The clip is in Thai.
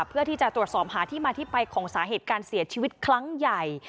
เพื่อที่จะตรวจสอบหาที่มาที่ไปของสาเหตุการเสียชีวิตครั้งใหญ่